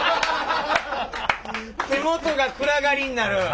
手元が暗がりになる。